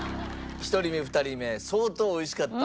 １人目２人目相当おいしかった。